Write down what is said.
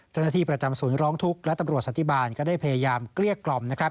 จนาทีประจำศูนย์ร้องทุกข์และตำรวจสัตว์ที่บ้านก็ได้พยายามเกลี้ยกกล่อม